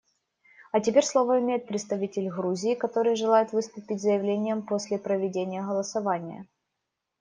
А теперь слово имеет представитель Грузии, который желает выступить с заявлением после проведения голосования.